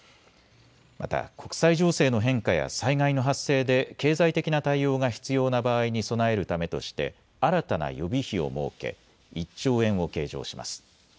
また国際情勢の変化や災害の発生で経済的な対応が必要な場合に備えるためとして新たな予備費を設け１兆円を計上します。